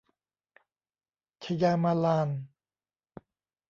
ชยามาลาน